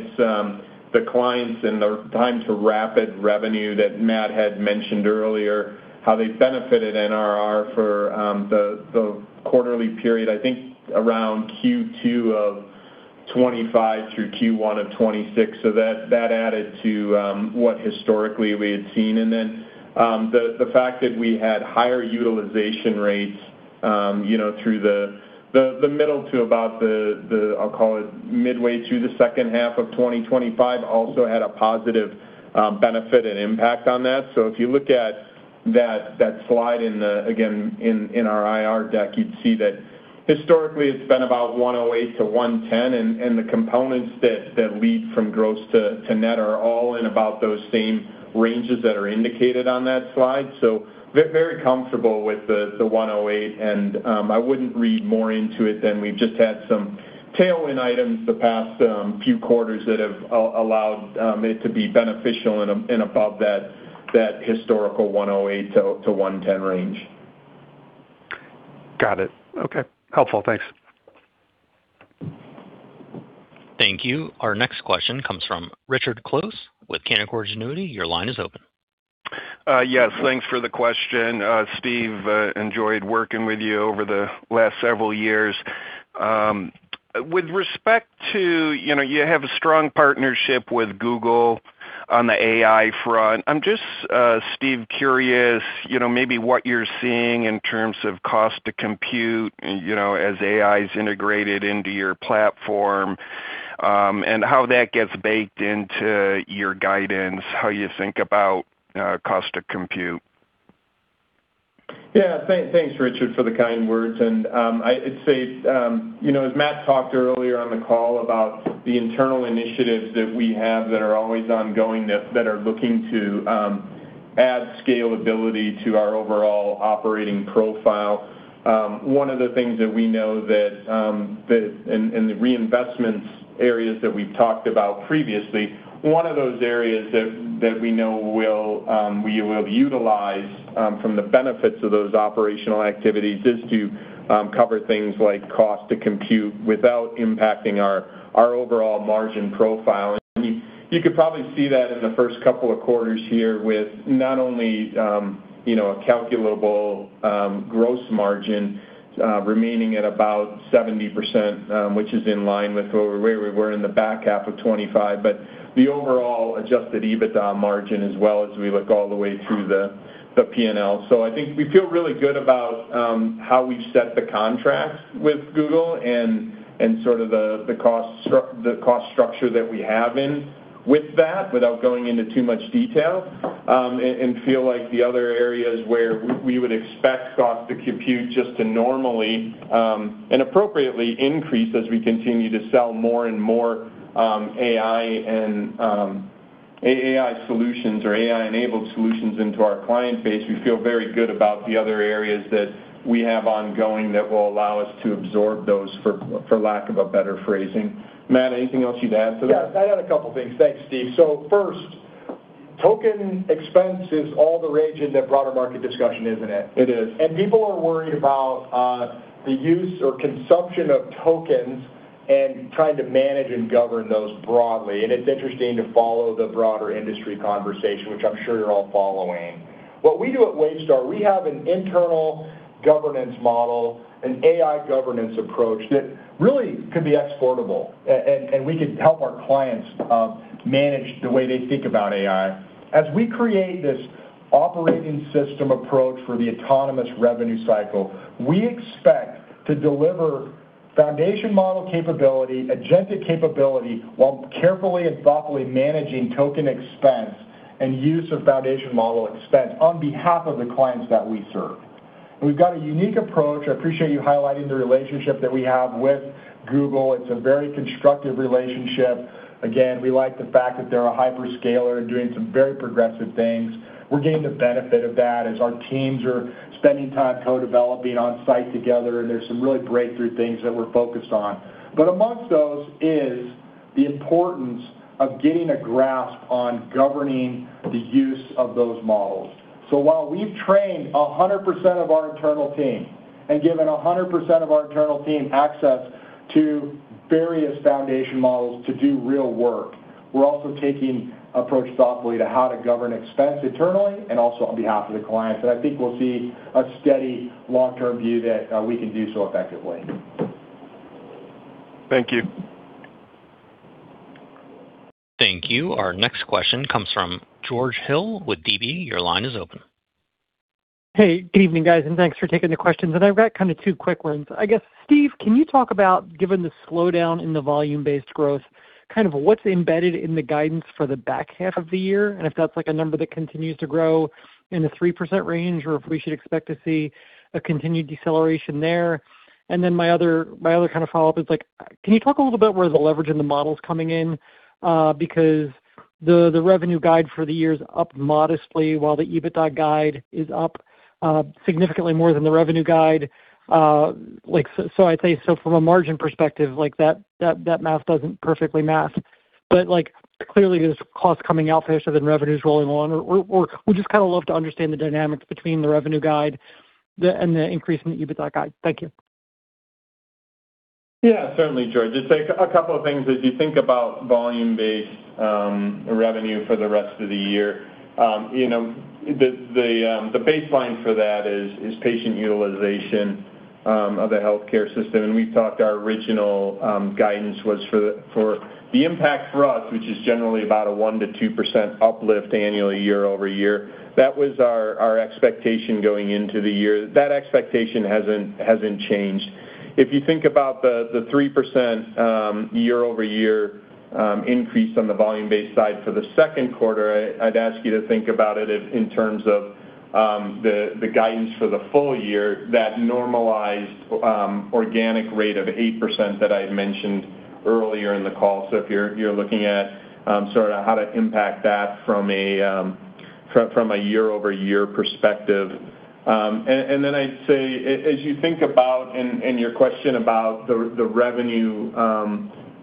the clients and their time to rapid revenue that Matt had mentioned earlier, how they benefited NRR for the quarterly period, I think around Q2 of 2025 through Q1 of 2026. That added to what historically we had seen. The fact that we had higher utilization rates through the middle to about the, I'll call it midway through the second half of 2025, also had a positive benefit and impact on that. If you look at that slide, again, in our IR deck, you'd see that historically it's been about 108-110, the components that lead from gross to net are all in about those same ranges that are indicated on that slide. Very comfortable with the 108, I wouldn't read more into it than we've just had some tailwind items the past few quarters that have allowed it to be beneficial and above that historical 108-110 range. Got it. Okay. Helpful. Thanks. Thank you. Our next question comes from Richard Close with Canaccord Genuity. Your line is open. Yes. Thanks for the question. Steve, enjoyed working with you over the last several years. With respect to, you have a strong partnership with Google on the AI front. I'm just, Steve, curious, maybe what you're seeing in terms of cost to compute as AI is integrated into your platform, and how that gets baked into your guidance, how you think about cost to compute. Yeah. Thanks, Richard, for the kind words. I'd say, as Matt talked earlier on the call about the internal initiatives that we have that are always ongoing, that are looking to add scalability to our overall operating profile. One of the things that we know that in the reinvestments areas that we've talked about previously, one of those areas that we know we will utilize from the benefits of those operational activities is to cover things like cost to compute without impacting our overall margin profile. You could probably see that in the first couple of quarters here with not only a calculable gross margin remaining at about 70%, which is in line with where we were in the back half of 2025, but the overall adjusted EBITDA margin as well as we look all the way through the P&L. I think we feel really good about how we've set the contracts with Google and sort of the cost structure that we have in with that, without going into too much detail, and feel like the other areas where we would expect cost to compute just to normally and appropriately increase as we continue to sell more and more AI solutions or AI-enabled solutions into our client base. We feel very good about the other areas that we have ongoing that will allow us to absorb those, for lack of a better phrasing. Matt, anything else you'd add to that? Yeah. I got a couple of things. Thanks, Steve. First, token expense is all the rage in the broader market discussion, isn't it? It is. People are worried about the use or consumption of tokens and trying to manage and govern those broadly. It's interesting to follow the broader industry conversation, which I'm sure you're all following. What we do at Waystar, we have an internal governance model, an AI governance approach that really could be exportable, and we could help our clients manage the way they think about AI. As we create this operating system approach for the autonomous Revenue Cycle. We expect to deliver foundation model capability, agentic capability, while carefully and thoughtfully managing token expense and use of foundation model expense on behalf of the clients that we serve. We've got a unique approach. I appreciate you highlighting the relationship that we have with Google. It's a very constructive relationship. Again, we like the fact that they're a hyperscaler and doing some very progressive things. We're getting the benefit of that as our teams are spending time co-developing on-site together, and there's some really breakthrough things that we're focused on. Amongst those is the importance of getting a grasp on governing the use of those models. While we've trained 100% of our internal team and given 100% of our internal team access to various foundation models to do real work, we're also taking approach thoughtfully to how to govern expense internally and also on behalf of the clients. I think we'll see a steady long-term view that we can do so effectively. Thank you. Thank you. Our next question comes from George Hill with DB. Your line is open. Hey, good evening, guys. Thanks for taking the questions. I've got two quick ones. I guess, Steve, can you talk about, given the slowdown in the volume-based growth, what's embedded in the guidance for the back half of the year? If that's a number that continues to grow in the 3% range, or if we should expect to see a continued deceleration there. Then my other follow-up is, can you talk a little bit where the leverage in the model's coming in? Because the revenue guide for the year is up modestly while the EBITDA guide is up significantly more than the revenue guide. I'd say, from a margin perspective, that math doesn't perfectly math. Clearly, there's costs coming out faster than revenues rolling along, or we'd just love to understand the dynamics between the revenue guide and the increase in the EBITDA guide. Thank you. Yeah, certainly, George. I'd say a couple of things. As you think about volume-based revenue for the rest of the year, the baseline for that is patient utilization of the healthcare system. We've talked, our original guidance was for the impact for us, which is generally about a 1%-2% uplift annually year-over-year. That was our expectation going into the year. That expectation hasn't changed. If you think about the 3% year-over-year increase on the volume-based side for the second quarter, I'd ask you to think about it in terms of the guidance for the full year, that normalized organic rate of 8% that I had mentioned earlier in the call. If you're looking at how to impact that from a year-over-year perspective. I'd say, as you think about, your question about the revenue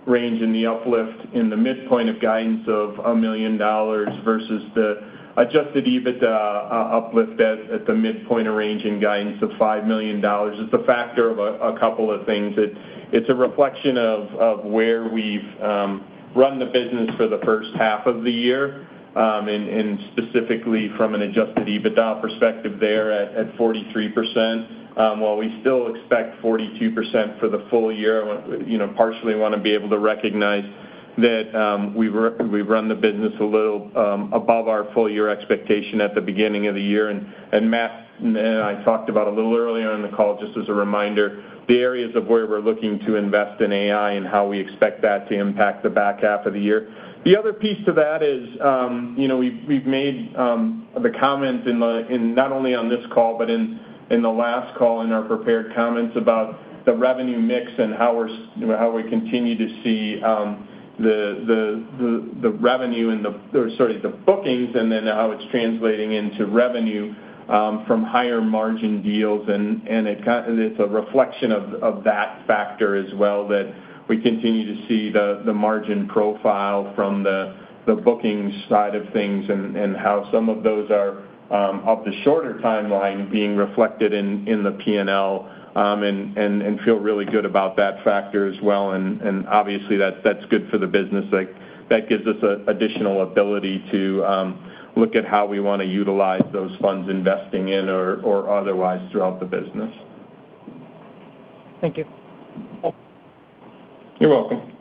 range and the uplift in the midpoint of guidance of $1 million versus the adjusted EBITDA uplift at the midpoint of range in guidance of $5 million, it's a factor of a couple of things. It's a reflection of where we've run the business for the first half of the year, and specifically from an adjusted EBITDA perspective there at 43%, while we still expect 42% for the full year. Partially want to be able to recognize that we've run the business a little above our full-year expectation at the beginning of the year. Matt and I talked about a little earlier in the call, just as a reminder, the areas of where we're looking to invest in AI and how we expect that to impact the back half of the year. The other piece to that is we've made the comment not only on this call, but in the last call in our prepared comments about the revenue mix and how we continue to see the revenue in the, sorry, the bookings, and then how it's translating into revenue from higher margin deals. And it's a reflection of that factor as well, that we continue to see the margin profile from the booking side of things, and how some of those are of the shorter timeline being reflected in the P&L, and feel really good about that factor as well. Obviously, that's good for the business. That gives us additional ability to look at how we want to utilize those funds investing in or otherwise throughout the business. Thank you. You're welcome.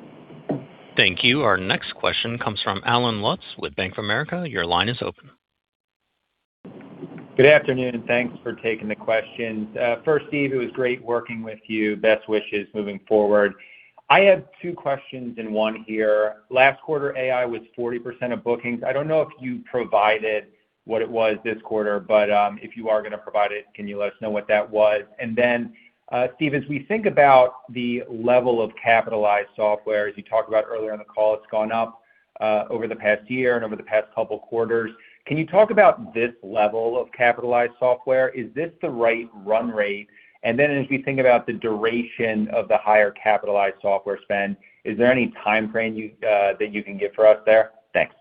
Thank you. Our next question comes from Allen Lutz with Bank of America. Your line is open. Good afternoon. Thanks for taking the questions. First, Steve, it was great working with you. Best wishes moving forward. I have two questions in one here. Last quarter, AI was 40% of bookings. I do not know if you provided what it was this quarter, but if you are going to provide it, can you let us know what that was? Steve, as we think about the level of capitalized software, as you talked about earlier in the call, it has gone up over the past year and over the past couple quarters. Can you talk about this level of capitalized software? Is this the right run rate? As we think about the duration of the higher capitalized software spend, is there any timeframe that you can give for us there? Thanks.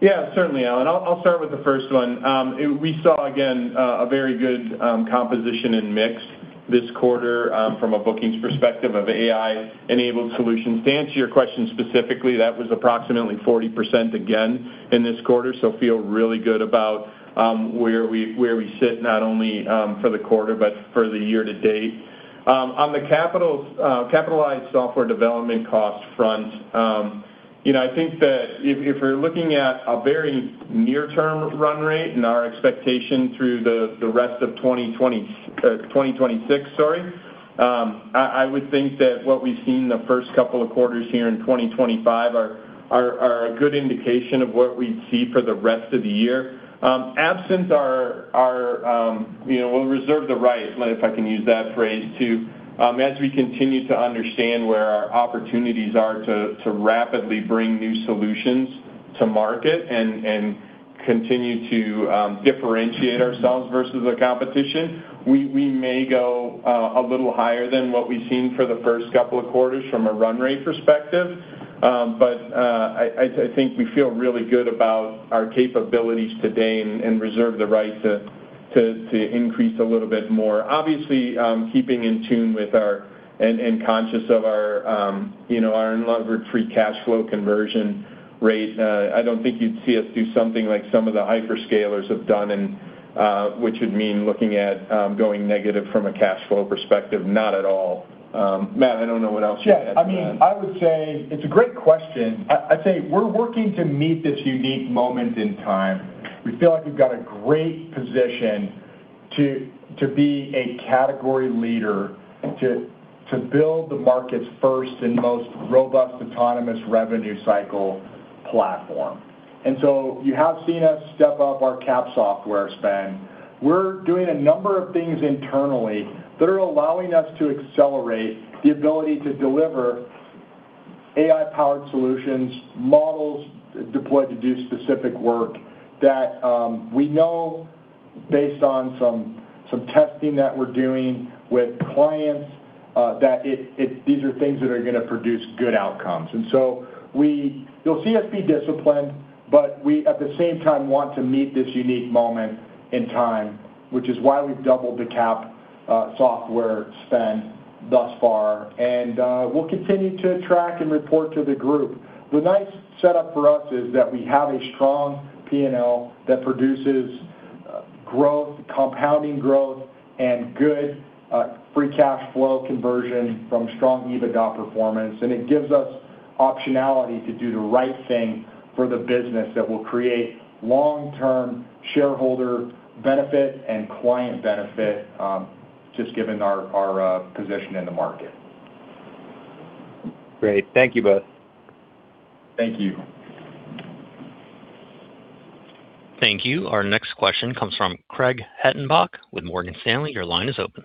Yeah. Certainly, Allen. I will start with the first one. We saw, again, a very good composition and mix this quarter from a bookings perspective of AI-enabled solutions. To answer your question specifically, that was approximately 40% again in this quarter, so feel really good about where we sit not only for the quarter but for the year to date. On the capitalized software development cost front, I think that if we are looking at a very near-term run rate and our expectation through the rest of 2026. I would think that what we have seen the first couple of quarters here in 2025 are a good indication of what we would see for the rest of the year. We will reserve the right, if I can use that phrase too, as we continue to understand where our opportunities are to rapidly bring new solutions to market and continue to differentiate ourselves versus the competition, we may go a little higher than what we have seen for the first couple of quarters from a run rate perspective. I think we feel really good about our capabilities today and reserve the right to increase a little bit more. Obviously, keeping in tune with and conscious of our unlocked free cash flow conversion rate. I do not think you would see us do something like some of the hyperscalers have done, which would mean looking at going negative from a cash flow perspective. Not at all. Matt, I do not know what else you would add to that. I would say it's a great question. I'd say we're working to meet this unique moment in time. We feel like we've got a great position to be a category leader, to build the market's first and most robust autonomous revenue cycle platform. You have seen us step up our cap software spend. We're doing a number of things internally that are allowing us to accelerate the ability to deliver AI-powered solutions, models deployed to do specific work that we know based on some testing that we're doing with clients, that these are things that are going to produce good outcomes. You'll see us be disciplined, but we at the same time want to meet this unique moment in time, which is why we've doubled the cap software spend thus far. We'll continue to track and report to the group. The nice setup for us is that we have a strong P&L that produces growth, compounding growth, and good free cash flow conversion from strong EBITDA performance. It gives us optionality to do the right thing for the business that will create long-term shareholder benefit and client benefit, just given our position in the market. Great. Thank you both. Thank you. Thank you. Our next question comes from Craig Hettenbach with Morgan Stanley. Your line is open.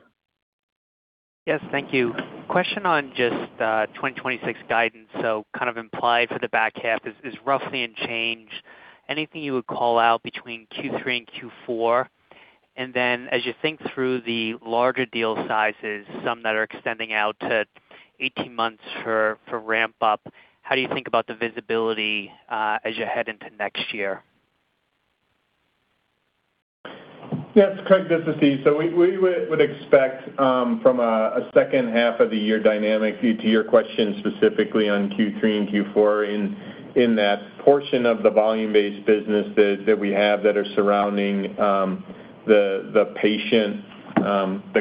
Yes, thank you. Question on just 2026 guidance. Kind of implied for the back half is roughly in change. Anything you would call out between Q3 and Q4? As you think through the larger deal sizes, some that are extending out to 18 months for ramp up, how do you think about the visibility as you head into next year? Yes, Craig, this is Steve. We would expect from a second half of the year dynamic to your question specifically on Q3 and Q4 in that portion of the volume-based businesses that we have that are surrounding the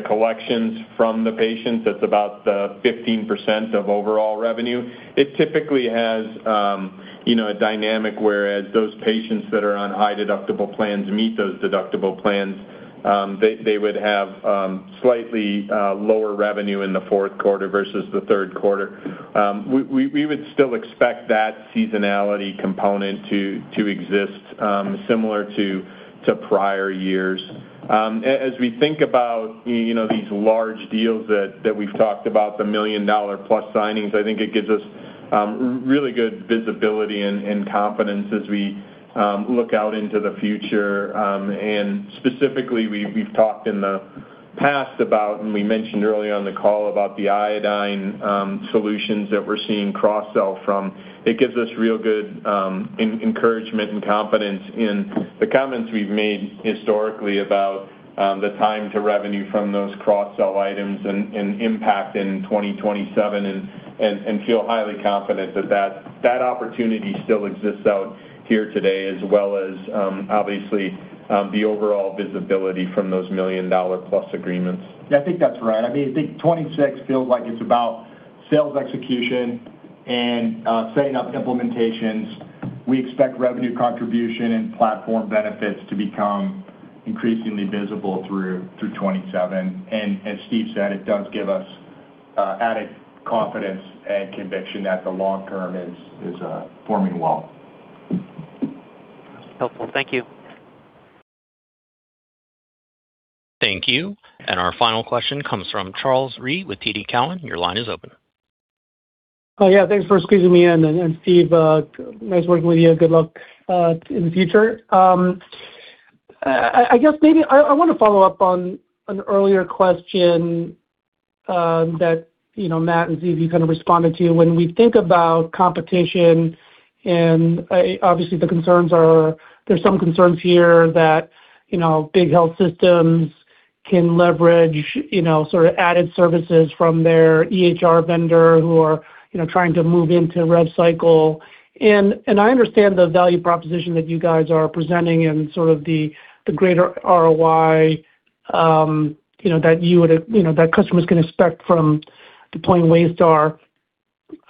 collections from the patients. That's about 15% of overall revenue. It typically has a dynamic whereas those patients that are on high deductible plans meet those deductible plans. They would have slightly lower revenue in the fourth quarter versus the third quarter. We would still expect that seasonality component to exist similar to prior years. As we think about these large deals that we've talked about, the $1 million+ signings, I think it gives us really good visibility and confidence as we look out into the future. Specifically, we've talked in the past about, and we mentioned early on the call about the Iodine solutions that we're seeing cross-sell from. It gives us real good encouragement and confidence in the comments we've made historically about the time to revenue from those cross-sell items and impact in 2027 and feel highly confident that that opportunity still exists out here today, as well as obviously, the overall visibility from those $1 million+ agreements. Yeah, I think that's right. I think 2026 feels like it's about sales execution and setting up implementations. We expect revenue contribution and platform benefits to become increasingly visible through 2027. As Steve said, it does give us added confidence and conviction that the long term is forming well. Helpful. Thank you. Thank you. Our final question comes from Charles Rhyee with TD Cowen. Your line is open. Oh, yeah. Thanks for squeezing me in. Steve, nice working with you. Good luck in the future. I want to follow up on an earlier question that Matt and Steve, you kind of responded to. When we think about competition and obviously there's some concerns here that big health systems can leverage added services from their EHR vendor who are trying to move into rev cycle. I understand the value proposition that you guys are presenting and the greater ROI that customers can expect from deploying Waystar.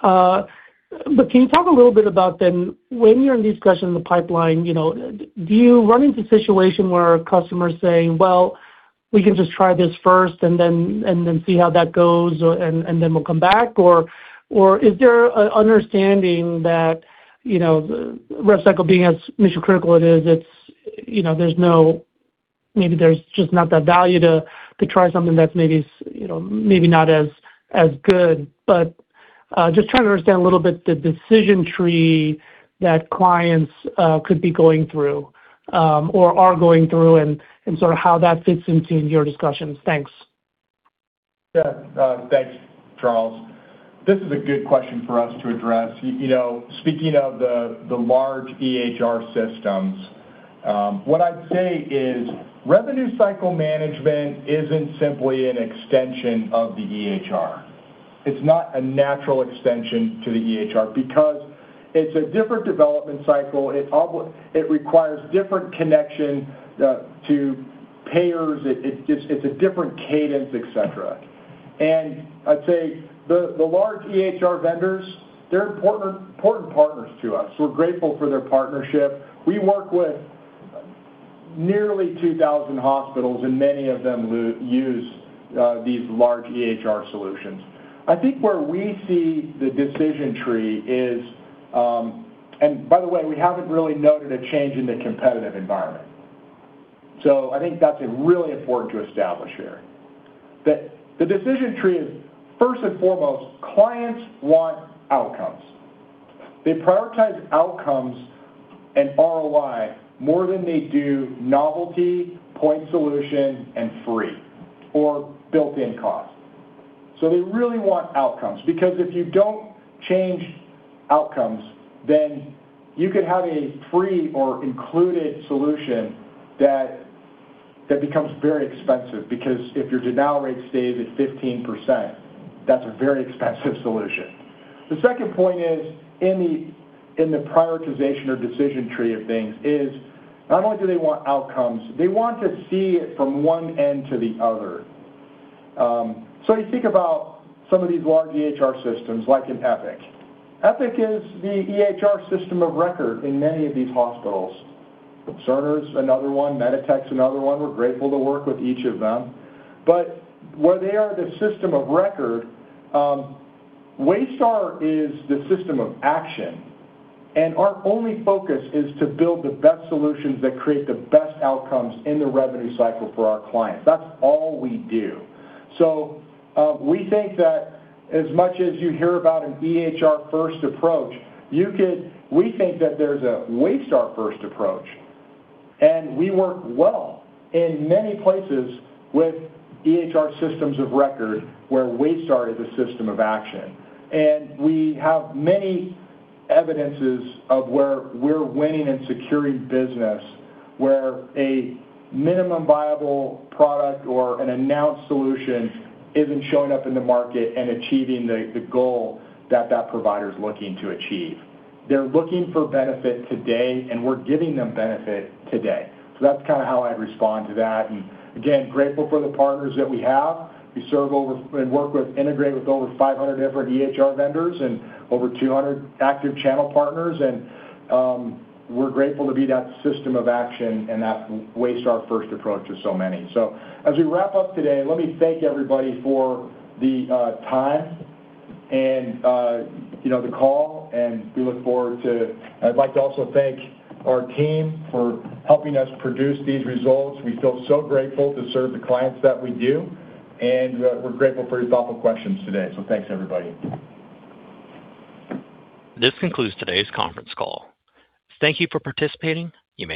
Can you talk a little bit about then when you're in discussion in the pipeline, do you run into situation where a customer is saying, Well, we can just try this first and then see how that goes, and then we'll come back? Or is there an understanding that rev cycle being as mission-critical it is, maybe there's just not that value to try something that's maybe not as good. Just trying to understand a little bit the decision tree that clients could be going through or are going through and how that fits into your discussions. Thanks. Thanks, Charles. This is a good question for us to address. Speaking of the large EHR systems, what I'd say is Revenue Cycle Management isn't simply an extension of the EHR. It's not a natural extension to the EHR because it's a different development cycle. It requires different connection to payers. It's a different cadence, etc. I'd say the large EHR vendors, they're important partners to us. We're grateful for their partnership. We work with nearly 2,000 hospitals, and many of them use these large EHR solutions. I think where we see the decision tree is By the way, we haven't really noted a change in the competitive environment. I think that's really important to establish here, that the decision tree is, first and foremost, clients want outcomes. They prioritize outcomes and ROI more than they do novelty, point solution, and free or built-in cost. They really want outcomes, because if you don't change outcomes, then you could have a free or included solution that becomes very expensive, because if your denial rate stays at 15%, that's a very expensive solution. The second point is, in the prioritization or decision tree of things is not only do they want outcomes, they want to see it from one end to the other. You think about some of these large EHR systems, like an Epic. Epic is the EHR system of record in many of these hospitals. Cerner's another one. MEDITECH's another one. We're grateful to work with each of them. Where they are the system of record, Waystar is the system of action, and our only focus is to build the best solutions that create the best outcomes in the revenue cycle for our clients. That's all we do. We think that as much as you hear about an EHR first approach, we think that there's a Waystar first approach, and we work well in many places with EHR systems of record where Waystar is a system of action. We have many evidences of where we're winning and securing business, where a minimum viable product or an announced solution isn't showing up in the market and achieving the goal that that provider's looking to achieve. They're looking for benefit today, and we're giving them benefit today. That's how I'd respond to that, and again, grateful for the partners that we have. We serve over and work with, integrate with over 500 different EHR vendors and over 200 active channel partners. We're grateful to be that system of action and that Waystar first approach to so many. As we wrap up today, let me thank everybody for the time and the call. I'd like to also thank our team for helping us produce these results. We feel so grateful to serve the clients that we do, and we're grateful for your thoughtful questions today. Thanks, everybody. This concludes today's conference call. Thank you for participating. You may disconnect.